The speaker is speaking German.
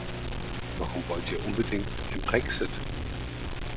Warum wollt ihr unbedingt den Brexit?